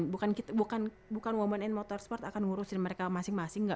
bukan women in motorsport akan ngurusin mereka masing masing